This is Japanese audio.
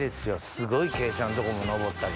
すごい傾斜んとこも登ったりね。